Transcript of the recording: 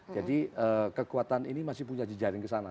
jadi kekuatan ini masih punya jejaring ke sana